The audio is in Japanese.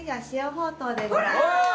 ほうとう！